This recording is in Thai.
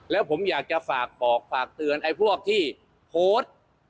แล้วผมอยากจะฝากบอกฝากเตือนไอ้พวกที่โพสต์